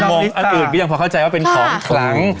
มองอันอื่นก็ยังพอเข้าใจว่าเป็นของขลัง